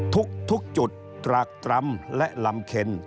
ทุกจุดตรากตรำและลำเข็น